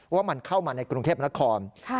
ว่ามันเข้ามาในกรุงเทพนคร